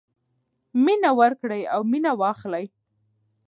مینه ورکړئ او مینه واخلئ.